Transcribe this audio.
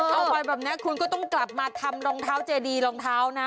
เอาไปแบบนี้คุณก็ต้องกลับมาทำรองเท้าเจดีรองเท้านะ